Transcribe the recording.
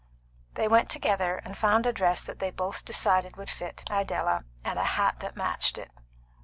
They went together, and found a dress that they both decided would fit Idella, and a hat that matched it.